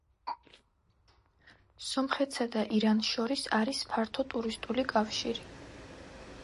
სომხეთსა და ირანს შორის არის ფართო ტურისტული კავშირი.